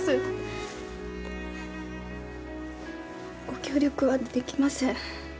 ご協力はできません。